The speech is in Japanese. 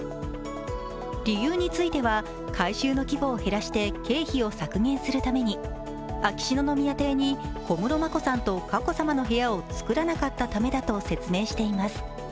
理由については、改修の規模を減らして経費を削減するために秋篠宮邸に小室眞子さんと佳子さまの部屋を造らなかったためだと説明しています。